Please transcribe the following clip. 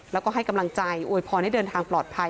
แล้วก็ให้กำลังใจอวยพรให้เดินทางปลอดภัย